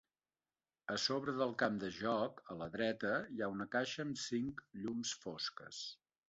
A sobre del camp de joc, a la dreta, hi ha una caixa amb cinc llums fosques.